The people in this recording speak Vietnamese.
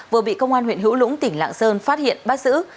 vừa bị công an huyện hữu lũng tỉnh lạng sơn phát hiện bắt giữ